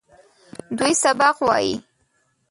دوی سبق وايي.